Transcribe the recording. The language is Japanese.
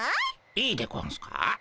いいでゴンスか？